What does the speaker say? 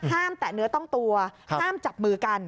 แตะเนื้อต้องตัวห้ามจับมือกัน